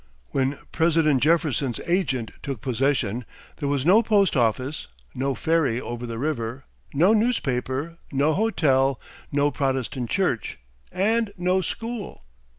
When President Jefferson's agent took possession, there was no post office, no ferry over the river, no newspaper, no hotel, no Protestant church, and no school.